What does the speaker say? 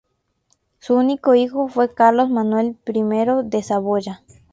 Su único hijo fue Carlos Manuel I de Saboya.